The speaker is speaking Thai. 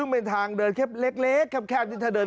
นั่นน่ะสิ